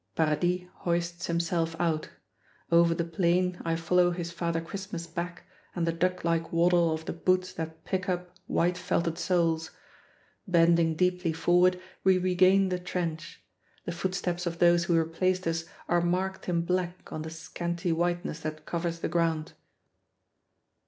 Paradis hoists himself out. Over the plain I follow his Father Christmas back and the duck like waddle of the boots that pick up white felted soles. Bending deeply forward we regain the trench; the footsteps of those who replaced us are marked in black on the scanty whiteness that covers the ground.